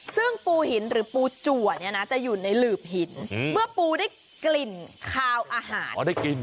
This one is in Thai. ซึ่งปูหินหรือปูจัวเนี่ยนะจะอยู่ในหลืบหินเมื่อปูได้กลิ่นคาวอาหาร